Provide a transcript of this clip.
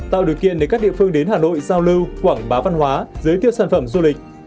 tạo điều kiện để các địa phương đến hà nội giao lưu quảng bá văn hóa giới thiệu sản phẩm du lịch